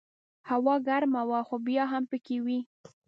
هوا ګرمه وه خو بیا هم پکې وې.